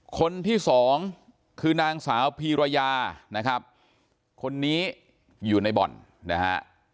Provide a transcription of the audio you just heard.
คนที่สองคือนางสาวพีรยานะครับคนนี้อยู่ในบ่อนนะฮะ